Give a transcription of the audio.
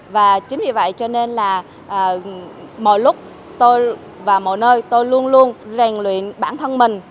và chính vì vậy cho nên là mỗi lúc tôi và mỗi nơi tôi luôn luôn rèn luyện bản thân mình